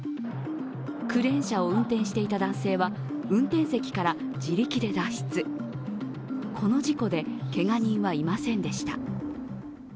クレーン車を運転していた男性は運転席から自力で脱出、この事故で、けが人はいませんでした。